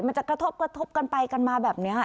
มันจะกระทบกระทบกันไปกันมาแบบนี้